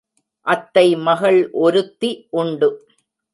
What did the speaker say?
அத்தை மகள் ஒருத்தி உண்டு.